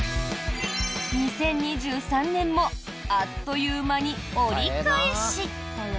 ２０２３年もあっという間に折り返し！